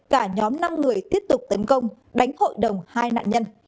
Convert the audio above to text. cả nhóm năm người tiếp tục tấn công đánh hội đồng hai nạn nhân